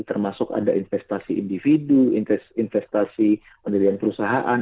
termasuk ada investasi individu investasi pendirian perusahaan